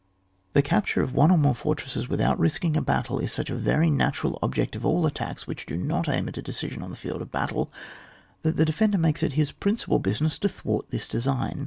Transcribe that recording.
The capture of one or more fortresses without risking a battle, is such a very natural object of all attacks which do not aim at a decision on the field of battle, that the defender makes it his principal business to thwart this design.